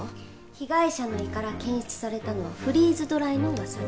被害者の胃から検出されたのはフリーズドライのわさび。